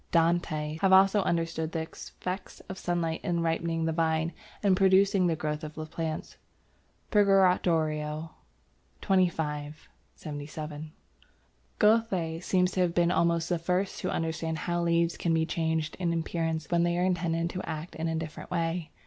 Dante seems to have also understood the effect of sunlight in ripening the vine and producing the growth of plants (Purgatorio, xxv. 77). Goethe seems to have been almost the first to understand how leaves can be changed in appearance when they are intended to act in a different way.